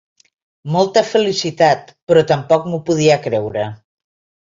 Molta felicitat, però tampoc m’ho podia creure.